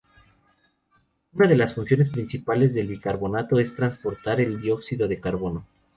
Una de las funciones principales del bicarbonato es transportar el dióxido de carbono.